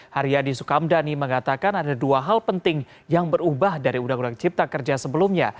haryadi sukamdhani mengatakan ada dua hal penting yang berubah dari undang undang cipta kerja sebelumnya